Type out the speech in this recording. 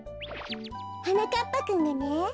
はなかっぱくんがね。